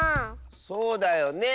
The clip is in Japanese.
そうだよねえ。